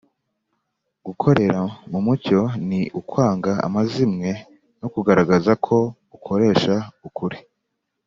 Gukorera mu mucyo ni ukwanga amazimwe no kugaragaza ko ukoresha ukuri.